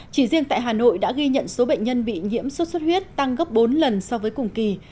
chỉ riêng tại hà nội đã ghi nhận số bệnh nhân bị nhiễm sốt xuất huyết tăng gấp bốn lần so với cùng kỳ